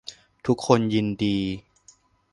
ทุกคนยินดี